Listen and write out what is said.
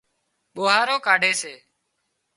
ٻوهارو ڪاڍي سي۔